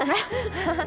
ハハハッ！